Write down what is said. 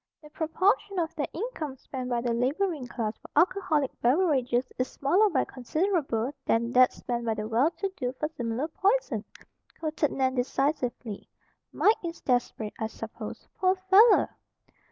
"The proportion of their income spent by the laboring class for alcoholic beverages is smaller by considerable than that spent by the well to do for similar poison!" quoted Nan decisively. "Mike is desperate, I suppose, poor fellow!"